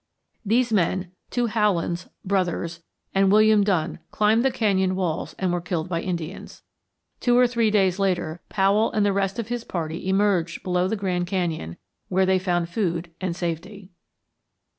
These men, two Howlands, brothers, and William Dunn, climbed the canyon walls and were killed by Indians. Two or three days later Powell and the rest of his party emerged below the Grand Canyon, where they found food and safety.